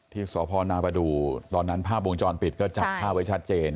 ที่สพนประดูตอนนั้นภาพวงจรปิดก็จับภาพไว้ชัดเจน